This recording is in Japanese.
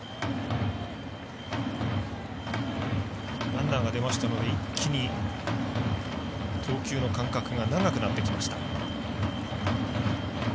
ランナーが出ましたので、一気に投球の間隔が長くなってきました。